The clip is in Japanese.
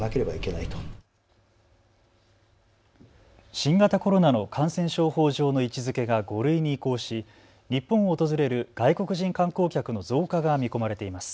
新型コロナの感染症法上の位置づけが５類に移行し日本を訪れる外国人観光客の増加が見込まれています。